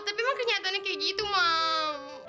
tapi emang kenyataannya kayak gitu mam